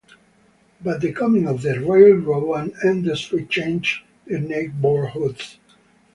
But the coming of the railroad and industry changed the neighborhoods.